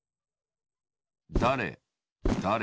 だれだれ